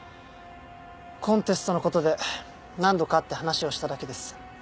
コンテストの事で何度か会って話をしただけです。